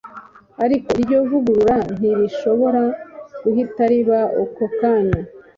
ariko iryo vugurura ntirishobora guhita riba ako kanya